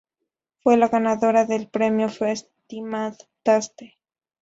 Fue la ganadora del Premio Festimad Taste.